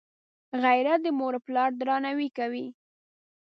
غیرت د موروپلار درناوی کوي